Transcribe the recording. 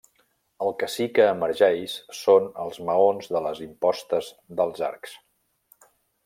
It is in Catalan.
El que sí que emergeix són els maons de les impostes dels arcs.